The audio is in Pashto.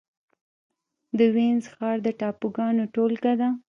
د وينز ښار د ټاپوګانو ټولګه ده.